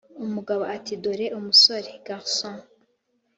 umugabo ati" dore umusore(garçon,)